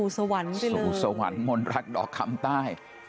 สู่สวรรค์มนรักดอกคำใต้